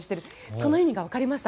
その意味がわかりました。